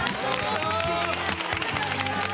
ありがとうございます。